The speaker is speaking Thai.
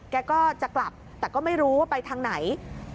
แกก็จะกลับแต่ก็ไม่รู้ว่าไปทางไหน